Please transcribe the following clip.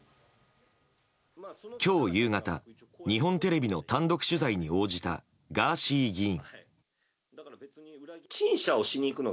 今日夕方日本テレビの単独取材に応じたガーシー議員。